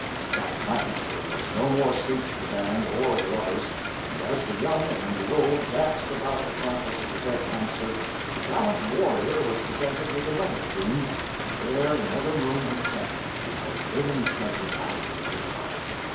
That night there was no more sleep for the band or the lovers, and as the young and the old danced about the carcass of the dead monster, the gallant warrior was presented with another plume, and ere another moon had set he had a living treasure added to his heart.